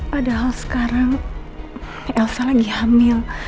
padahal sekarang elsa lagi hamil